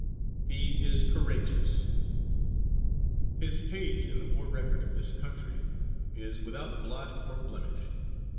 He is courageous. His page in the war record of this country is without blot or blemish.